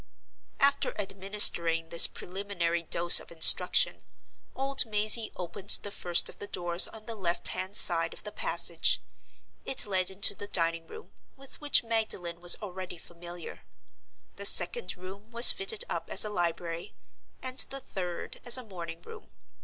After administering this preliminary dose of instruction, old Mazey opened the first of the doors on the left hand side of the passage. It led into the dining room, with which Magdalen was already familiar. The second room was fitted up as a library; and the third, as a morning room.